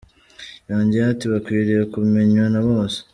Yongeyeho ati "Bakwiriye kumenywa na bose.